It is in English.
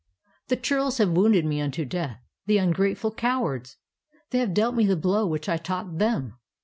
The churls have wounded me unto death, — the ungrateful cowards! They have dealt me the blow which I taught them."